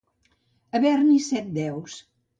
Haver-n'hi set deus.